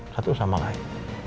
satu sama lain